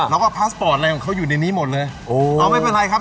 แล้วก็พาสปอร์ตอะไรของเขาอยู่ในนี้หมดเลยโอ้เอาไม่เป็นไรครับ